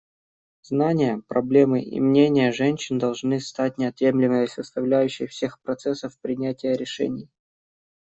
Знания, проблемы и мнения женщин должны стать неотъемлемой составляющей всех процессов принятия решений.